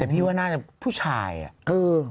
แต่พี่ว่าน่าจะผู้ชายอ่ะ